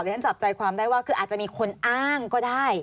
ฉันจับใจความได้ว่าคืออาจจะมีคนอ้างก็ได้